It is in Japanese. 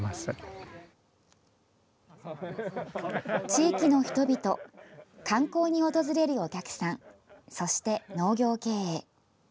地域の人々観光に訪れるお客さんそして農業経営。